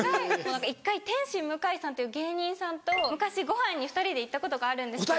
１回天津・向さんという芸人さんと昔ごはんに２人で行ったことがあるんですけど。